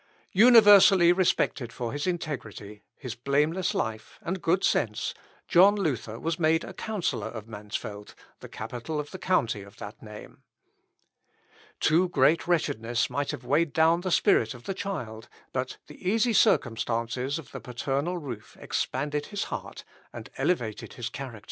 " Universally respected for his integrity, his blameless life, and good sense, John Luther was made a counsellor of Mansfeld, the capital of the county of that name. Too great wretchedness might have weighed down the spirit of the child, but the easy circumstances of the paternal roof expanded his heart, and elevated his character.